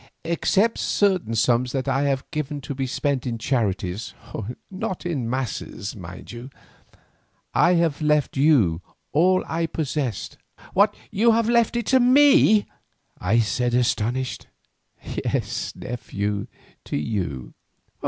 Except certain sums that I have given to be spent in charities—not in masses, mind you—I have left you all I possess." "You have left it to me!" I said astonished. "Yes, nephew, to you.